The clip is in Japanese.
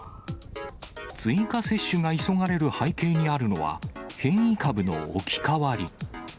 追加接種が急がれる背景にあるのは、変異株の置き換わり。